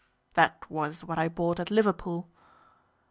"That was what I bought at Liverpool."